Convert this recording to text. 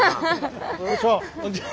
こんにちは。